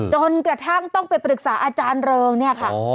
จนกระทั่งต้องไปปรึกษาอาจารย์เริงเนี่ยค่ะ